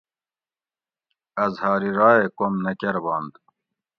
اظھار راۓ کوم نہ کربنت